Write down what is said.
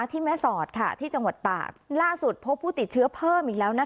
ที่แม่สอดค่ะที่จังหวัดตากล่าสุดพบผู้ติดเชื้อเพิ่มอีกแล้วนะคะ